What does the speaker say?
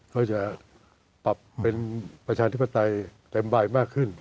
ก็จะปรับเป็นประชาธิปไตยเต็มใบมากขึ้น